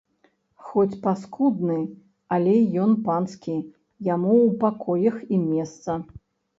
Хоць паскудны, але ён панскі, яму ў пакоях і месца!